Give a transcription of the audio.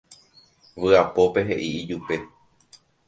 vy'apópe he'i ijupe